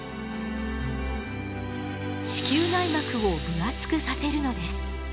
子宮内膜を分厚くさせるのです。